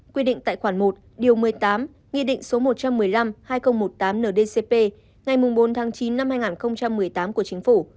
quy định tại khoản một điều một mươi tám nghị định số một trăm một mươi năm hai nghìn một mươi tám ndcp ngày bốn tháng chín năm hai nghìn một mươi tám của chính phủ